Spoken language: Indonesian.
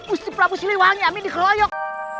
usip usip wangnya amin dikeloyok